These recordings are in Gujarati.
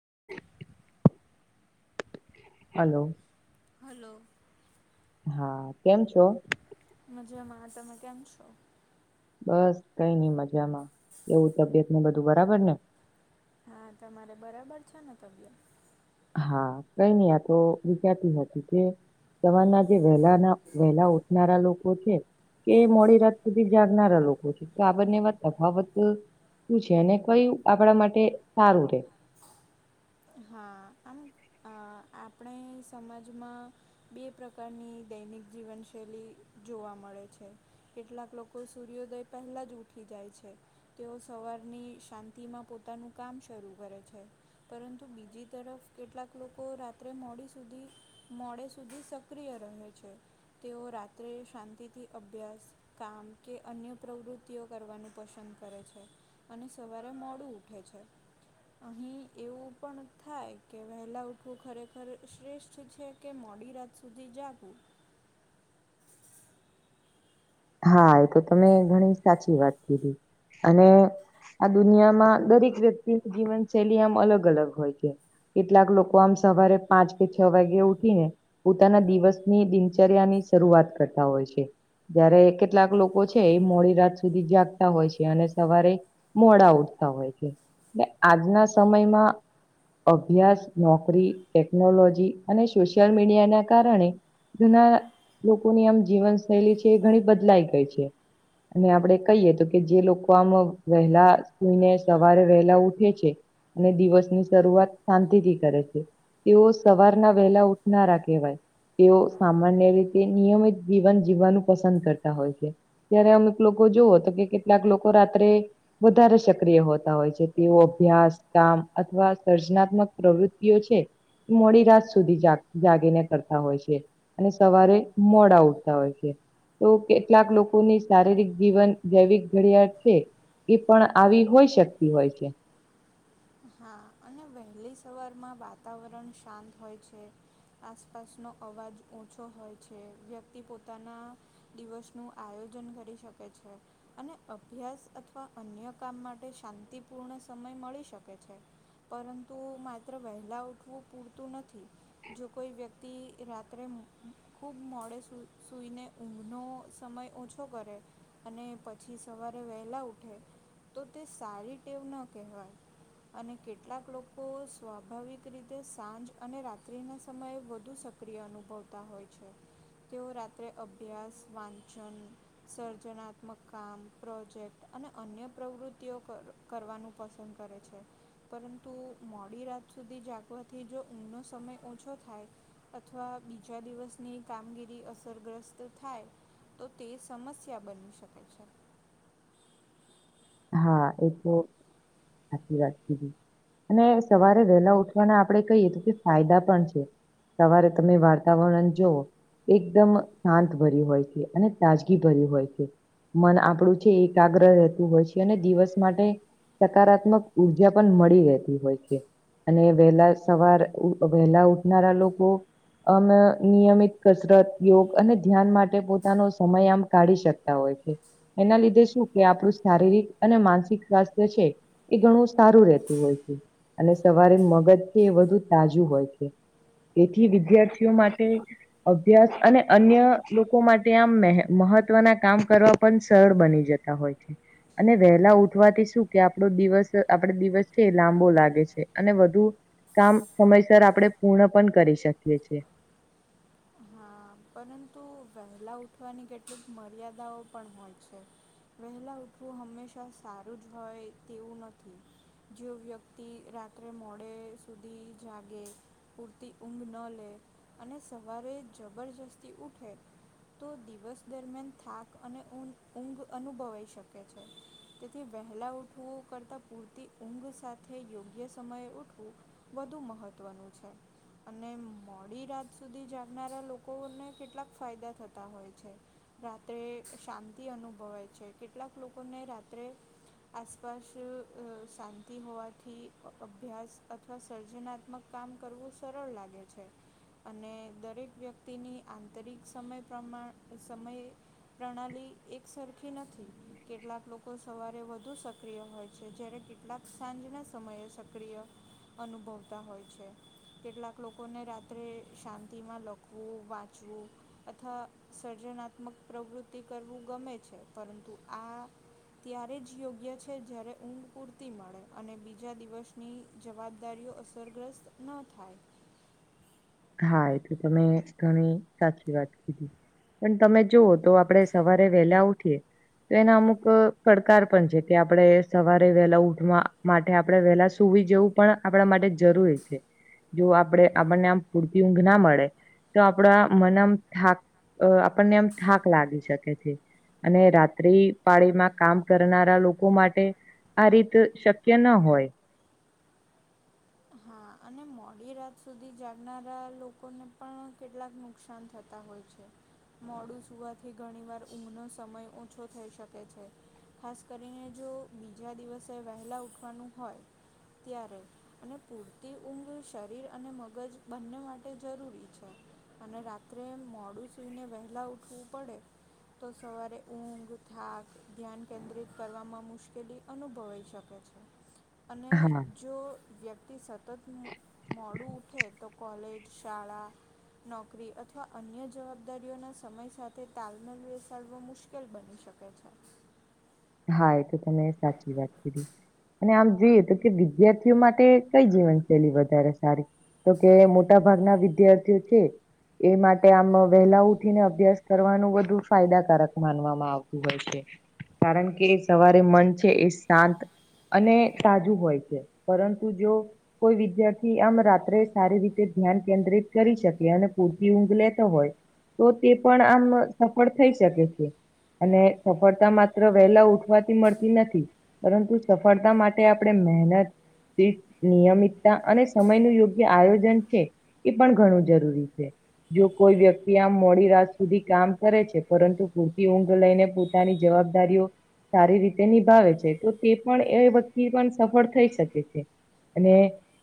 [unintelligible] હલો. હલો. હા, કેમ છો? મજામાં, તમે કેમ છો? બસ કઈ ની મજામાં, તબિયત ને બધું બરાબર ને? હા, તમારે બરાબર છે ને તબિયત? હા, કઈ નહી આતો વિચાતી હતી કે. સવારના જે વહેલાના વહેલા ઉઠનારા લોકો છે. કે મોડી રાત સુધી જાગનારા લોકો છે તો આ બને એવા તફાવત.. શું છે? અને કયું આપણા માટે સારું રે. હા, આમ આપણે સમાજમાં.. બે પ્રકારની દૈનિક જીવનશૈલી જોવા મળે છે. કેટલાક લોકો સૂર્યોદય પહેલા ઉઠી જાય છે. તેઓ સવારની શાંતિમાં પોતાનું કામ શરૂ કરે છે પરુ.. બીજી તરફ કેટલાક લોકો રાત્રે મોડી સુધી.. મોડે સુધી સક્રિય રહે છે તેઓ રાત્રે શાંતિથી અભ્યાસ.. કામ કે અન્ય પ્રવૃત્તિઓ કરવાનું પસંદ કરે છે. અને સવારે મોડું ઉઠે છે અહી એવું.. પણ થાય કે વહેલા ઉઠવું ખરેખર શ્રેષ્ઠ છે કે મોડી રાત સુધી જાગું? હા, એ તો તમે ઘણી સાચી વાત કીધી અને.. આ દુનિયામાં દરેક વ્યક્તિની જીવનશૈલી એમ અલગ અલગ હોય છે. કેટલાક લોકો આમ સવારે પાંચ કે છ વાગે ઉઠી ને.. પોતાના દિવસની દિનચર્યા ની શરૂઆત કરતા હોય છે. જયારે કેટલાક લોકો છે એ મોડી રાત સુધી જાગતા હોય છે અને સવારે.. મોડા ઉઠતા હોય છે ને આજના સમયમાં.. અભ્યાસ નોકરી ટેકનોલોજી અને સોશિયલ મીડિયા ના કારણે.. ઘણા લોકોની આમ જીવનશૈલી છે એ ઘણી બદલાઈ ગઈ છે. અને આપડે કહીએ તો કે જે લોકો આમ વહેલા સુઈને સવારે વહેલા ઉઠે છે. અને દિવસની શરુઆત શાંતિ થી કરે છે. તેઓ સવારના વહેલા ઉઠનારા કહેવાય. તેઓ સામાન્ય રીતે નિયમિત જીવન જીવવાનું પસંદ કરતા હોય છે. ત્યારે અમુક લોકો જોવો તો કે કેટલાક લોકો રાત્રે.. વધારે સક્રિય હોતા હોય છે તેઓ અભ્યાસ કામ અથવા સર્જનાત્મક પ્રવૃત્તિઓ છે.. મોડી રાત સુધી જાગીને કરતા હોય છે. અને સવારે મોડા ઉઠતા હોય છે. તો કેટલાક લોકોની શારીરિક જીવન જૈવિક ઘડિયાળ છે. એ પણ આવી હોય શકતી હોય છે. હા, અને વહેલી સવારમાં વાતાવરણ શાંત હોય છે. આસપાસનો અવાજ ઓછો હોય છે વ્યક્તિ પોતાના.. દિવસ નું આયોજન કરી શકે છે. અને અભ્યાસ અથવા અન્ય કામ માટે શાંતિપૂર્ણ સમય મળી શક કે છે પરંતુ માત્ર વહેલા ઉઠવું પૂરતું નથી. જો કોઈ વ્યક્તિ રાત્રે મ ખૂબ મોડે સૂ સૂઈને ઊંઘનો સમય ઓછો કરે, અને પછી સવારે વહેલા ઉઠે તો તે સારી ટેવ ન કહેવાય. અને કેટલાક લોકો સ્વાભાવિક રીતે સાંજ અને રાત્રિના સમયે વધુ શક સક્રિય અનુભવતા હોય છે તેઓ રાત્રે અભ્યાસ, વાંચન, સર્જનાત્મક કામ પ્રોજેક્ટ અને અન્ય પ્રવૃત્તિઓ કર, કરવાનું પસંદ કરે છે. પરંતુ મોડી રાત સુધી જાગવાથી જો ઊંઘનો સમય ઓછો થાય. અથવા બીજા દિવસની કામગીરી અસરગ્રસ્ત થાય. તો તે સમસ્યા બની શકે છે. હા એ તો સાચી વાત કીધી. અને સવારે વહેલા ઉઠવાના આપણે કહીએ તો ફાયદા પણ છે. સવારે તમે વાતાવરણ જુઓ, એકદમ શાંત ભર્યું હોય છે અને તાજગી ભર્યું હોય છે. મન આપડું છે એકાગ્ર રહેતું હોય છે. અને દિવસ માટે સકારાત્મક ઉર્જા પણ મળી રહેતી હોય છે. અને વહેલા સવાર વહેલા ઉઠનારા લોકો, અમે નિયમિત કસરત યોગ અને ધ્યાન માટે પોતાનો સમય આમ કાઢી શકે શકતા હોય છે એના લીધે શું આપણું શારીરિક, અને માનસિક સ્વાસ્થ્ય છે એ ઘણું સારું રહેતું હોય છે. અને સવારે મગજ છે એ વધુ તાજું હોય છે. તેથી વિદ્યાર્થીઓ માટે, અભ્યાસ અને અન્ય લોકો માટે આમ મહત્વના કામ કરવા પણ સરળ બની જ જતા હોય છે. અને વહેલા ઉઠવાથી શું કે આપડો દિવસ આપડ દિવસ છે એ લાંબો લાગે છે અને વધુ, કામ સમયસર આપણેે પૂર્ણ પણ કરી શકીએ છીએ. હા પરંતુ વહેલા ઉઠવાની કેટલીક મર્યાદાઓ પણ હોય છે. વહેલા ઊઠવું હંમેશા સારું જ હોય તેવું નથી. જો વ્યકિત રાત્રે મોડે સુધી જાગે, પૂરતી ઊંઘ ન લે અને સવારે જબરજસ્તી ઉઠે, તો દિવસ દરમિયાન થાક અને ઊંઘ ઊંઘ અનુભવાઈ શકે છે. તેથી વહેલાં ઉઠવું કરતાં પૂરતી ઊંઘ સાથે યોગ્ય સમયે ઉઠવું, વધુ મહત્વનું છે, અને મોડી રાત સુધી જાગ ગનારા લોકોને કેટલાક ફાયદા થતા હોય છે. રાત્રે શાંતિ અનુભવાય છે કેટલાક લોકોને રાત્રે, આસપાસ શાંતિ હોવાથી અભ્યાસ અથવા સર્જનાત્મક, કામ કરવું સરળ લાગે છે અને, દરેક વ્યક્તિની આંતરિક સમય પ્રમાણ સમયે, પ્રણાલી એક સરખી નથી કેટલાક લોકો સવારે વધુ સક્રિય હોય છે જ્યારે કેટલાક, સાંજના સમયે સક્રિય, અનુભવતા હોય છે કેટલાક લોકોને રાત્રે શાં શાંતિ માં લખવું વાંચવું, અથવા સર્જનાત્મક પ્રવૃત્તિ કરવું ગમે છે. પરંતુ આ ત્યારે જ યોગ્ય છે જ્યારે ઊંઘ પૂરતી મળે અને બીજા દિવસની જવાબદારીઓ અસરગ્રસ્ત ન થાય. હા એ તો તમે ઘણી સાચી વાત કીધી. પણ તમે જુવો તો આપડે સવારે વહેલા ઉઠીએ. તો એના અમુક પડકાર પણ છે કે આપડે સવારે વેલા ઉઠવા માટે આપડે વે સુવી જેવું પણ આપણા માટે જરૂરી છે જો આપડે આપણને પૂરતી ઊંઘ ના મળે, તો આપડા મનમ થાક અ આપણને એમ થાક લાગી શકે છે. અને રાત્રી પાળીમાં કામ કરનારા લોકો માટે. આ રીત અ શક્ય ન હોય. હા અને મોડી રાત સુધી જાગનારા લોકોને પણ કેટલાક, નુક્સાન થતા હોય છે. મોડું સૂવાથી ઘણીવાર ઊંઘનો સમય ઓછો થઈ શકે છે. ખાસ કરીને જો બીજા દિવસે વહેલા ઉઠવાનું હોય ત્યારે. અને પૂરતી ઊંઘ શરીર અને મગજ બંને માટે જરૂરી છે. અને રાત્રે મોડું સૂઈને વહેલા ઉઠવું પડે. તો સવારે ઊંઘ, થાક, ધ્યાન કેન્દ્રિત કરવામાં મુશ્કેલી અનુભવાઈ શકે. [inaudible] અને જો, ક્તી સતત મું મોડું ઉઠે તો કોલેજ, શાળા, નોકરી અથવા અન્ય જવાબદારીઓના સમય સાથે તાલમેલ બેસાડવો મ મુકેલ બની શકે છે. હા એ તો તમે સાચી વાત કીધી. અને આમ જોઈએ તો કે વિદ્યાર્થીઓ માટે કઈ જીવનશૈલી વધારે સારી. તો કે મોટા ભાગના વિદ્યાર્થીઓ છે. એ માટે આમ વહેલા ઉઠીને અભ્યાસ કરવાનું વધુ ફાયદાકારક માનવામાં આવતું હોય છે. કારણ કે સવારે મન છે એ શાંત, અને તાજું હોય છે પરંતુ જો કોઈ વિદ્યાર્થી આમ રાત્રે સારી રીતે ધ્યાન કેન્દ્રિત કરી શકે અને પૂરતી ઊંઘ લેતો હોય. તો તે પણ આમ સફળ થઈ શકે છે. અને સફળતામાં [unintelligible] વહેલા ઉઠવાથી મળતી નથી પરંતુ સફળતા માટે આપડે મહેનત. [unintelligible] નિયમિતતા અને સમયનું યોગ્ય આયોજન છે. એ પણ ઘણું જરૂરી છે. જો કોઈ વ્યક્તિ આમ મોડી રાત સુધી કામ કરે છે પરંતુ પૂરતી ઊંઘ લઈને પોતાની જ વાબદારીઓ સારી રીતે નિભાવે છે તો તે પણ એ વક્તિ પણ સફળ થઈ શકે છે. અને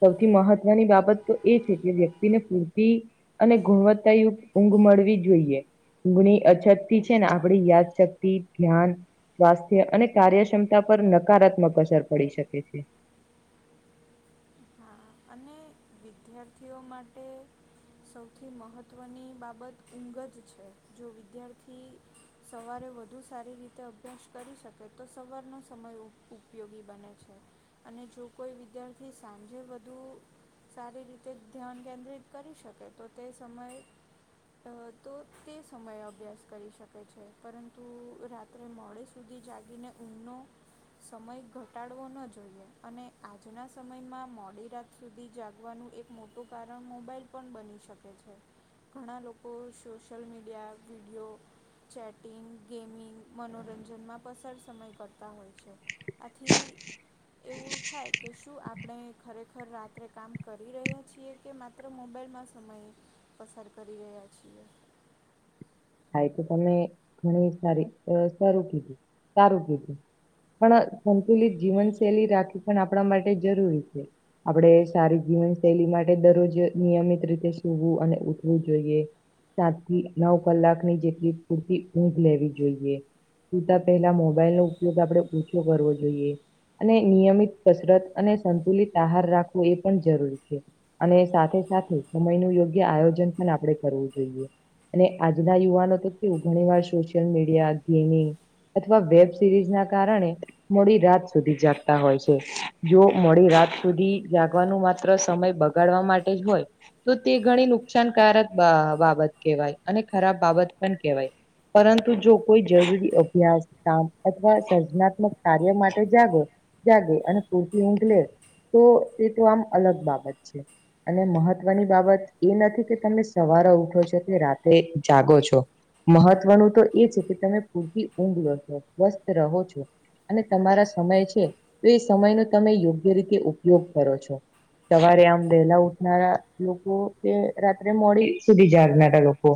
સૌથી મહત્વની બાબત તો એ છે કે વ્યક્તિને પૂરતી અને ગુણવત્તાયુક્ત ઊંઘ મળવી જોઈએ. ઊંઘની અછતથી છે ને આપડી યાદશક્તિ, ધ્યાન, સ્વાસ્થ્ય અને કાર્યક્ષમતા પર નકારાત્મક અસર પડી શકે છ. હા અને વિદ્યાર્થીઓ માટે સૌથી મહત્ત્વની બાબત ઊંઘ જ છે જો વિદ્યાર્થી સવારે વધુ સારી રીતે અભ્યાસ કરી શકે તો સવારનો સમય ઉપ ઉપયોગી બને છે. અને જો કોઈ વિદ્યાર્થી સાંજે બધુ સારી રીતે ધ્યાન કેન્દ્રિત કરી શકે તો તે સમયે અ તો તે સમયે અભ્યાસ કરી શકે છે પરંતુ રાતે મોડે સુધી જાગીને ઊંઘનો સમય ઘટાડવો ન જોઈએ અને આજના સમય સમયમાં મોડી રાત સુધી જાગવાનું એક મોટું કારણ મોબાાઈલ પણ બની શકે છે. ઘણા લોકો social media video chatting gaming મનોરંજનમાં પસાર સમય કરતા હોય છે. આથી એવું થાય કે શું આપ આપણે ખરેખર રાત્રે કામ કરી રહ્યા છીએ કે માત્ર મોબાઈલમાં સમયે પસાર કરી રહ્યા છીએ. હા તો તમે ઘણી સારી અ સારું કીધું સારું કીધું. પણ સંતુલિત જીવનશૈલી રાખવી પણ આપણા માટે જરૂરી છે. આપણે સારી જીવનશૈલી માટે દરરોજ નિયમિત રીતે સુવું અને ઉઠવું જોઈએ. સાત થી નવ કલાકની જેટલી પૂરતી ઊંઘ લેવી જોઈએ. સુતા પેલા મોબાઈલ નો ઉપયોગ આપડે ઓછો કરવો જોઈએ. અને નિયમિત કસરત અને સંતુલિત આહાર રાખવો એ પણ જરૂરી છે. અને સાથે સાથે સમય નું યોગ્ય આયોજન પણ આપણે કરવું જોઈએ. અને આજના યુવાનો તો કેવું ઘણી વાર સોશિયલ મીડિયા ગેમિંગ અથવા વેબસિરીઝ ના કારણે મોડી રાત સુધી જાગતા હોય છે જો મોડી રાત સુધી જાગવાનું માત્ર સમય બ ગાડવા માટે જ હોય તો તે ઘણી નુકસાનકારક બા બાબત કહેવાય. અને ખરાબ બાબત પણ કેહેવાય. પરંતુ જો કોઈ જરુરીયાત અભ્યાસ કામ અથવા સર્જનાત્મક કાર્ય માટે જાગો જાગો અને પુરતી ઉંઘ લે તો તે તો આમ અલગ બાબત છે. અને મહત્વની બાબત એ નથી કે તમે સવારે ઉઠો છો કે રાત એ જાગો છો. મહત્વનું તો એ છે કે તમે પૂરતી ઉંઘ લો છો સ્વસ્થ રહો છો. અને તમારા સમય છે તો એ સમયનો તમે યોગ્ય રીતે ઉપયોગ કરો છો. સવારે આમ વેલા ઉઠનારા લોકો કે રાત્રે મોડી સુધી જાગનારા લોકો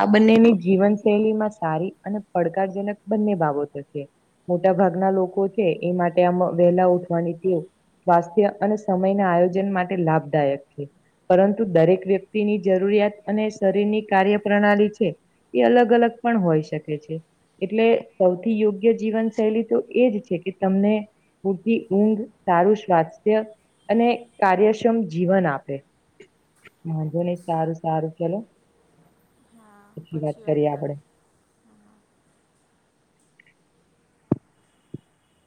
આ બંનેની જીવન શૈલીમાં સારી અને પડકારજનક બંને બાબતો છે. મોટા ભાગના લોકો છે એ માટે આમ વહેલા ઉઠવાની ટેવ સ્વાસ્થ્ય અને સમયના આયોજન માટે લાભદાયક છે. પરંતુ દરેક વ્યક્તિની જરૂરિયાત અને શરીરની કાર્ય પ્રણાલી છે એ અલગ અલગ પણ હોય શકે છે એટલે સૌથી યોગ્ય જીવન શૈલી તો એજ છે કે તમને પુરતી ઊંઘ સારું સ્વાસ્થ્ય અને કાર્યક્ષમ જીવન આપે વાંધો નય સારું સારું ચાલો. હા પછી વાત કરીએ.